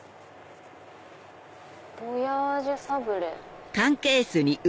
「ヴォヤージュサブレ」。